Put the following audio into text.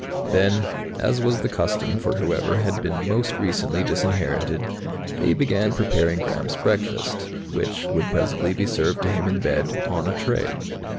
Then, as was the custom for whoever had been most recently disinherited, they began preparing Gramps' breakfast, which would presently be served to him in bed, on a tray.